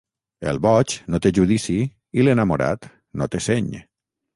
El boig no té judici i l'enamorat no té seny.